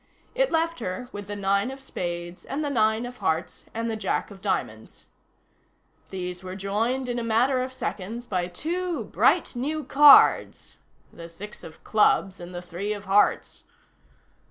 It left her with the nine of spades and the nine of hearts, and the Jack of diamonds. These were joined, in a matter of seconds, by two bright new cards: the six of clubs and the three of hearts.